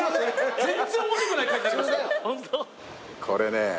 これね。